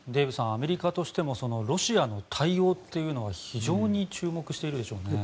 アメリカとしてもロシアの対応というのは非常に注目しているでしょうね。